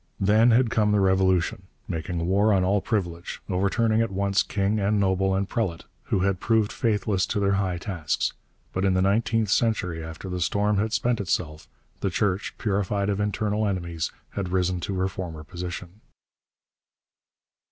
Then had come the Revolution, making war on all privilege, overturning at once king and noble and prelate who had proved faithless to their high tasks. But in the nineteenth century, after the storm had spent itself, the Church, purified of internal enemies, had risen to her former position.